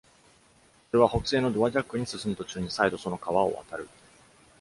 それは、北西のドワジャックに進む途中に、再度その川を渡る。